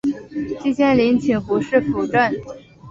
季羡林请胡适斧正。